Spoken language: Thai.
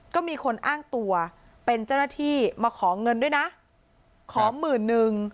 ก็มีคนอ้างตัวเป็นเจ้าหน้าที่มาขอเงินด้วยนะขอหมื่นนึง